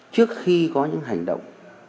trước khi có những hành động